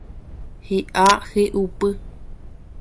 Hi'a hi'upy.